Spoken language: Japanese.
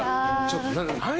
ちょっと何？